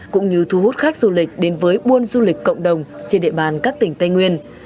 cũng như thu hút khách du lịch đến với buôn du lịch cộng đồng trên địa bàn các tỉnh tây nguyên